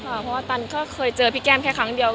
เพราะว่าตันก็เคยเจอพี่แก้มแค่ครั้งเดียว